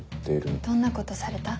どんなことされた？